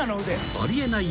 あり得ない］